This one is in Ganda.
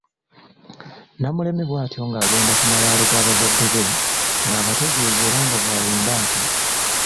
Namuleme bw'atyo ng’agenda ku malaalo ga bazadde be ng’abategeeza era nga bw'ayimba nti,